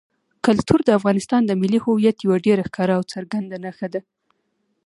کلتور د افغانستان د ملي هویت یوه ډېره ښکاره او څرګنده نښه ده.